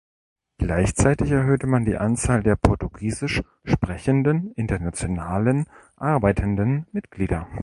Gleichzeitig erhöhte man die Anzahl der Portugiesisch sprechenden internationalen arbeitenden Mitglieder.